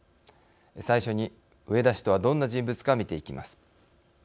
最初に、植田氏とはどんな人物か、見ていきます。